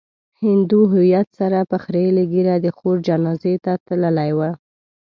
هندو هويت سره په خريلې ږيره د خور جنازې ته تللی و.